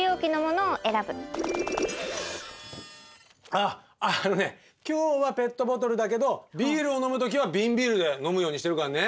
あっあのね今日はペットボトルだけどビールを飲むときは瓶ビールで飲むようにしてるからね。